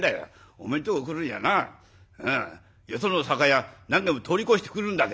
おめえんとこ来るにはなよその酒屋何軒も通り越して来るんだぜ。